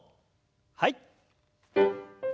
はい。